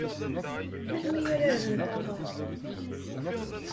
Melmi ara rrent aḍar?